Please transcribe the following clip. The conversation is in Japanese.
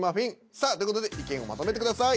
さあという事で意見をまとめてください。